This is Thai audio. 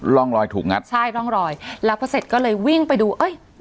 ร่องรอยถูกงัดใช่ร่องรอยแล้วพอเสร็จก็เลยวิ่งไปดูเอ้ย